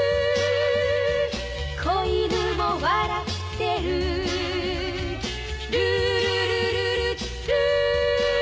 「小犬も笑ってる」「ルールルルルルー」